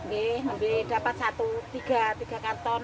iya nanti dapat satu tiga tiga karton